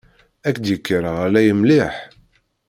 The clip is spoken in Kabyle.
Ad k-d-yekker ɣlay mliḥ.